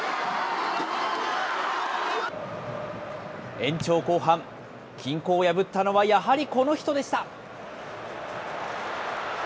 延長後半、均衡を破ったのはやはりこの人でした。